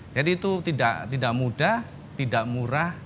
jadi itu tidak mudah tidak murah